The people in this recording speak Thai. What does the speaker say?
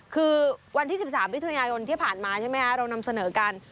คือวันที่๑๓มิถุนายนที่ผ่านมาใช่ไหมคะเรานำเสนอกัน